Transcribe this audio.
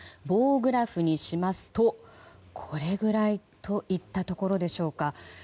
棒グラフにしますとこれぐらいといったところでしょうか。